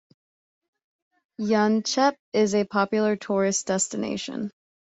Yanchep is a popular tourist destination.